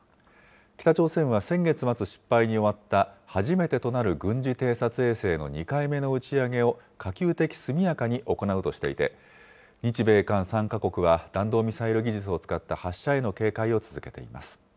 北朝鮮は先月末、失敗に終わった初めてとなる軍事偵察衛星の２回目の打ち上げを可及的速やかに行うとしていて、日米韓３か国は弾道ミサイル技術を使った発射への警戒を続けています。